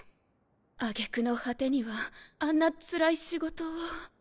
挙げ句の果てにはあんなつらい仕事を。